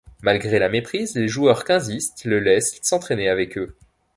Malgré la méprise, les joueurs quinzistes le laissent s'entrainer avec eux.